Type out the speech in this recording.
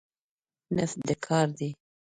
نفت د کار دی.